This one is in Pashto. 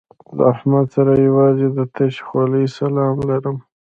له احمد سره یوازې د تشې خولې سلام لرم.